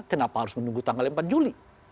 kenapa harus menunggu tanggal empat juli